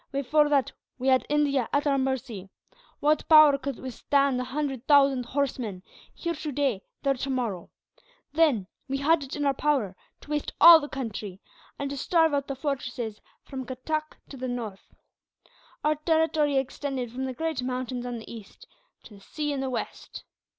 Before that, we had India at our mercy. What power could withstand a hundred thousand horsemen, here today, there tomorrow? Then, we had it in our power to waste all the country, and to starve out the fortresses from Cuttack to the north. Our territory extended from the great mountains on the east, to the sea in the west.